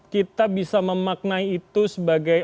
kita bisa memaknai itu sebagai